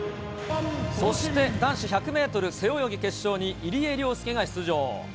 そして男子１００メートル背泳ぎ決勝に、入江陵介が出場。